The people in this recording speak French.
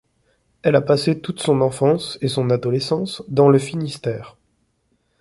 Elle a passé toute son enfance et son adolescence dans le Finistère.